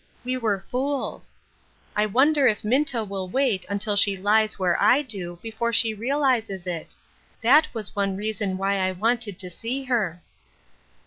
We were fools. I wonder if Minta will wait until she lies where I do, before she realizes it ? That was one reason why I wanted to see her."